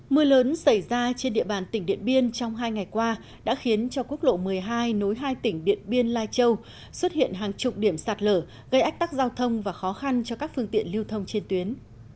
mưa lớn xảy ra trên địa bàn tỉnh điện biên trong hai ngày qua đã khiến cho quốc lộ một mươi hai nối hai tỉnh điện biên lai châu xuất hiện hàng chục điểm sạt lở gây ách tắc giao thông và khó khăn cho các phương tiện lưu thông trên tuyến